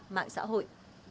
mạng xã hội